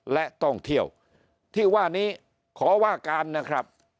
และท่องเที่ยวที่ว่านี้ขอว่าการนะครับ